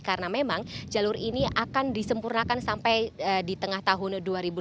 karena memang jalur ini akan disempurnakan sampai di tengah tahun dua ribu delapan belas